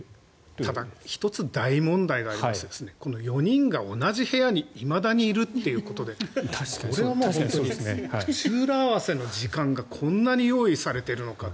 ただ、１つ大問題がありまして４人が同じ部屋にいまだにいるということでこれはもう口裏合わせの時間がこんなに用意されているのかと。